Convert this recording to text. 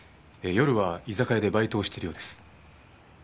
夜は居酒屋でバイトをしてるようです。